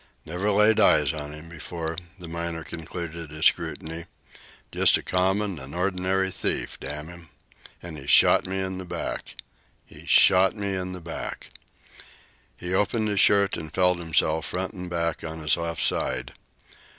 "Never laid eyes on him before," the miner concluded his scrutiny. "Just a common an' ordinary thief, hang him! An' he shot me in the back! He shot me in the back!" He opened his shirt and felt himself, front and back, on his left side.